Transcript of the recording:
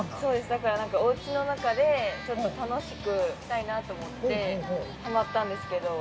だから、なんかおうちの中でちょっと楽しくしたいなと思ってはまったんですけど。